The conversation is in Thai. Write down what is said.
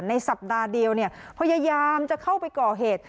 สัปดาห์เดียวพยายามจะเข้าไปก่อเหตุ